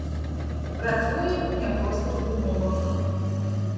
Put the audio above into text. Працуе ў няпростых умовах.